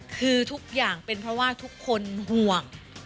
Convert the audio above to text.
คือทุกอย่างเป็นเพราะว่าทุกคนห่วง